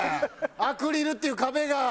アクリルっていう壁が。